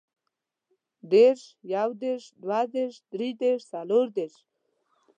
دېرش، يودېرش، دوهدېرش، دريدېرش، څلوردېرش